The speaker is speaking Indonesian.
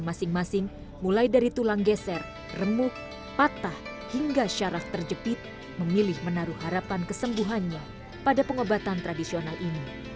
masing masing mulai dari tulang geser remuk patah hingga syaraf terjepit memilih menaruh harapan kesembuhannya pada pengobatan tradisional ini